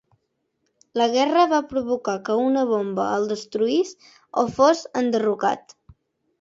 La guerra va provocar que una bomba el destruís o fos enderrocat.